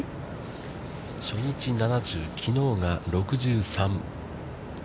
初日７０、きのうが６３。